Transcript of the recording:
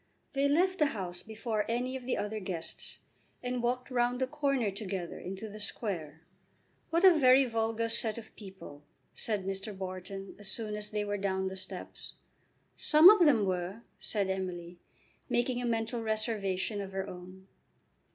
They left the house before any of the other guests and walked round the corner together into the Square. "What a very vulgar set of people!" said Mr. Wharton as soon as they were down the steps. "Some of them were," said Emily, making a mental reservation of her own.